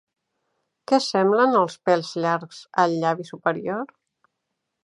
Què semblen els pèls llargs al llavi superior?